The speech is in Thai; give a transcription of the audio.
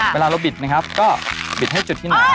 เวลาเราบิดก็บิดให้จุดที่หนา